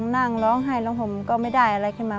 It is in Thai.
นั่งร้องไห้แล้วผมก็ไม่ได้อะไรขึ้นมา